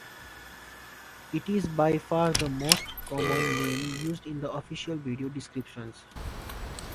It's by far the most common name used in the official video descriptions.